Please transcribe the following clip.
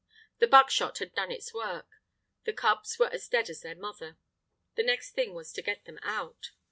The buckshot had done its work. The cubs were as dead as their mother. The next thing was to get them out.